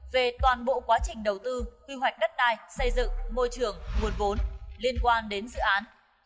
về toàn bộ quá trình đầu tư quy hoạch đất đai xây dựng môi trường nguồn vốn liên quan đến dự án